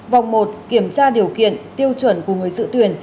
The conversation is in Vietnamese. vòng một kiểm tra điều kiện tiêu chuẩn của người dự tuyển